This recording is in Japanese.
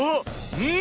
うん！